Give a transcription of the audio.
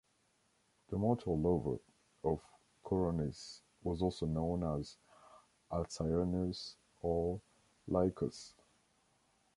The mortal lover of Coronis was also known as Alcyoneus or Lycus.